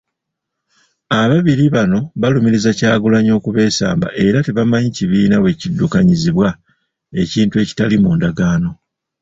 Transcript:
Ababiri bano balumiriza Kyagulanyi okubeesamba era tebamanyi kibiina bwe kiddukanyizibwa, ekintu ekitali mu ndagaano.